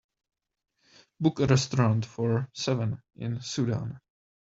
book a restaurant for seven in Sudan